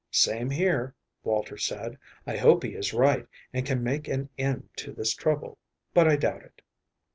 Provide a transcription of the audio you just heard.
"Same here," Walter said. "I hope he is right and can make an end to this trouble, but I doubt it."